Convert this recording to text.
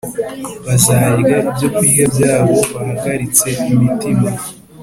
Bazarya ibyokurya byabo bahagaritse imitima